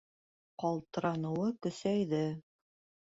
Ҡалтыраныуы көсәйҙе.